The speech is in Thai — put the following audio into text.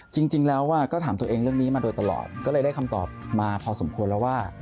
จริงแล้วก็ถามตัวเองเรื่องนี้มาโดยตลอดก็เลยได้คำตอบมาพอสมควรแล้วว่า